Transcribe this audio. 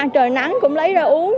trời nắng cũng lấy ra uống